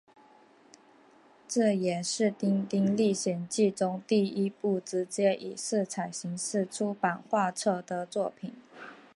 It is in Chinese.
这也是丁丁历险记中第一部直接以彩色形式出版画册的作品。